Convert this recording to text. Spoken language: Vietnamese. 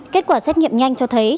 kết quả xét nghiệm nhanh cho thấy